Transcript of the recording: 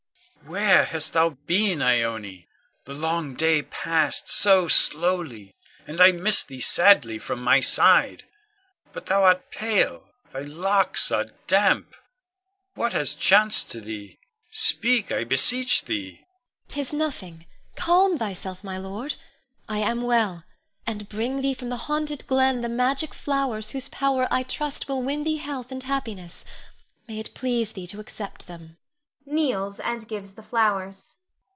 _] Where hast thou been, Ione? The long day passed so slowly, and I missed thee sadly from my side. But thou art pale; thy locks are damp! What has chanced to thee? Speak, I beseech thee! Ione. 'Tis nothing; calm thyself, my lord. I am well, and bring thee from the haunted glen the magic flowers whose power I trust will win thee health and happiness. May it please thee to accept them [kneels, and gives the flowers]. Con.